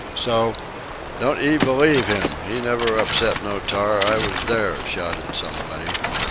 So..." "Don't 'ee believe him! He never upset no tar; I was there!" shouted somebody.